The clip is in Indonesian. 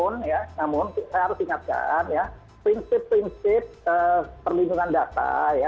namun saya harus ingatkan ya prinsip prinsip perlindungan data